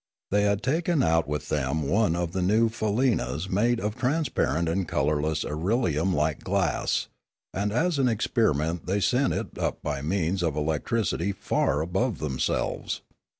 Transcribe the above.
They had taken out with them one of the new faleenas made of transparent and colourless irelium like glass; and as an experiment they sent it up by means of electricity far above themselves.